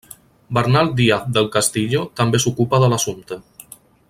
Bernal Díaz del Castillo també s'ocupa de l'assumpte.